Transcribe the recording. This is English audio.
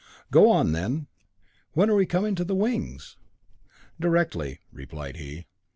"Go on, then. When are we coming to the wings?" "Directly," replied he.